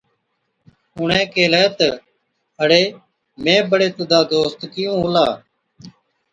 اُڻهين ڪيهلَي تہ، ’اَڙي مين بڙي تُڌا دوست ڪِيُون هُلا؟‘